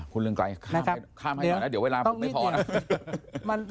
คุณเรืองไกรข้ามให้ก่อนนะเดี๋ยวเวลาผมไม่พอนะ